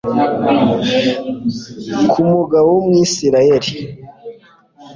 ku mugabo wu mwisirayeli